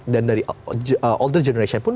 dan dari generasi tua pun